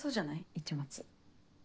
市松。